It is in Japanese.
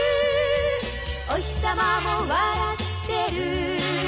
「おひさまも笑ってる」